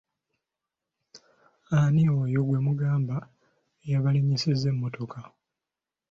Ani oyo gwe mugamba eyabalinyisiza emmotoka?